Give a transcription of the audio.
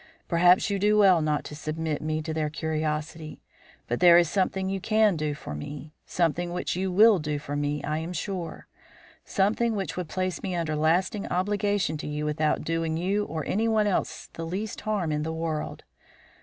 Perhaps you do well not to submit me to their curiosity. But there is something you can do for me something which you will do for me, I am sure; something which would place me under lasting obligation to you without doing you or anyone else the least harm in the world.